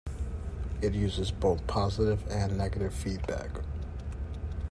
It uses both positive and negative feedback.